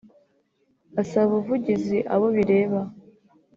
asaba ubuvugizi abo bireba